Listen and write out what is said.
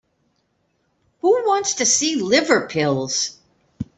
Who wants to see liver pills?